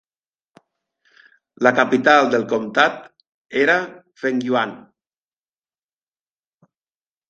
La capital del comtat era Fengyuan.